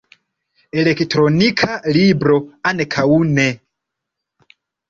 Elektronika libro ankaŭ ne.